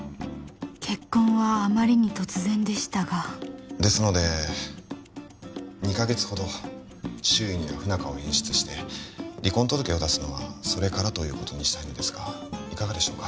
結婚はあまりに突然でしたがですので２カ月ほど周囲には不仲を演出して離婚届を出すのはそれからということにしたいのですがいかがでしょうか？